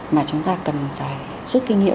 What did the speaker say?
mà chúng ta cần phải rút kinh nghiệm